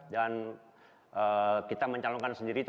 dan kita mencalonkan sendiri itu